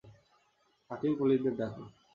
Fucking পুলিশদের ডাকো।